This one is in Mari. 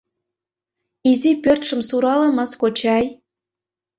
— Изи пӧртшым суралымыс, кочай.